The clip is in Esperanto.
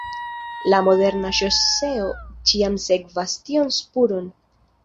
La moderna ŝoseo ĉiam sekvas tion spuron.